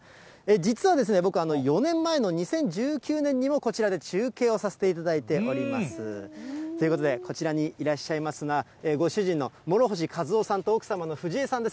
実は僕、４年前の２０１９年にもこちらで中継をさせていただいております。ということで、こちらにいらっしゃいますのは、ご主人の諸星一雄さんと奥様の藤枝さんです。